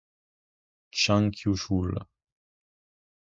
Chang Kyou-chul